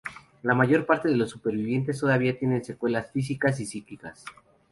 La mayor parte de los supervivientes todavía tienen secuelas físicas y psíquicas.